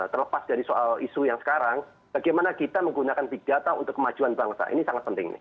terlepas dari soal isu yang sekarang bagaimana kita menggunakan big data untuk kemajuan bangsa ini sangat penting